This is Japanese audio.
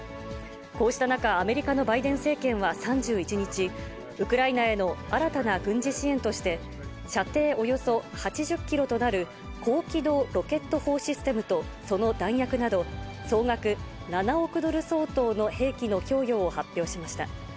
こうした中、アメリカのバイデン政権は３１日、ウクライナへの新たな軍事支援として、射程およそ８０キロとなる高機動ロケット砲システムとその弾薬など、総額７億ドル相当の兵器の供与を発表しました。